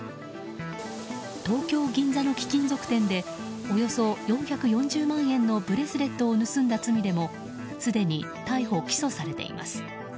東京・銀座の貴金属店でおよそ４４０万円のブレスレットを盗んだ罪でもすでに逮捕・起訴されています。